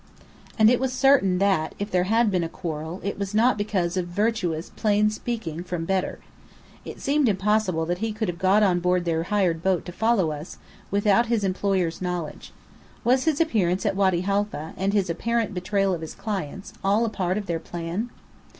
And it was certain that, if there had been a quarrel, it was not because of virtuous plain speaking from Bedr. It seemed impossible that he could have got on board their hired boat to follow us, without his employers' knowledge. Was his appearance at Wady Halfa, and his apparent betrayal of his clients, all a part of their plan?